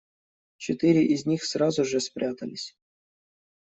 Четыре из них сразу же спрятались.